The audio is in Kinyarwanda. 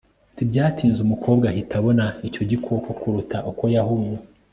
ntibyatinze umukobwa ahita abona icyo gikoko kuruta uko yahunze